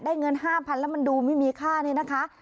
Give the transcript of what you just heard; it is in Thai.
ได้เงินห้าพันแล้วมันดูไม่มีค่านี้นะคะ